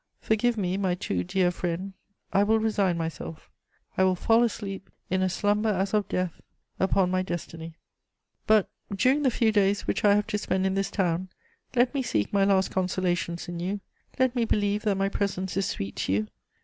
Forgive me, my too dear friend, I will resign myself; I will fall asleep, in a slumber as of death, upon my destiny. But, during the few days which I have to spend in this town, let me seek my last consolations in you; let me believe that my presence is sweet to you.